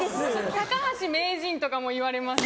高橋名人とかもいわれます。